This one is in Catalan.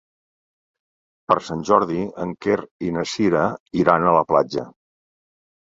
Per Sant Jordi en Quer i na Cira iran a la platja.